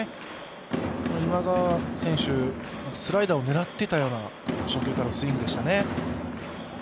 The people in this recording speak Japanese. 今川選手、スライダーを狙っていたような初球からスイングでしたね。